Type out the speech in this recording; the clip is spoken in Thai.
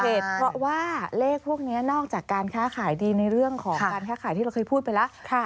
เหตุเพราะว่าเลขพวกนี้นอกจากการค้าขายดีในเรื่องของการค้าขายที่เราเคยพูดไปแล้ว